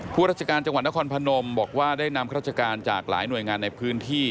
ราชการจังหวัดนครพนมบอกว่าได้นำราชการจากหลายหน่วยงานในพื้นที่